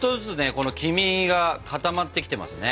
この黄身が固まってきてますね。